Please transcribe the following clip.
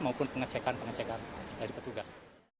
maupun pengecekan pengecekan dari petugas